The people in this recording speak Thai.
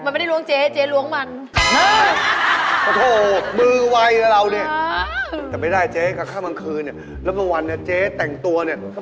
พี่ฟีทมีการแก้ตัว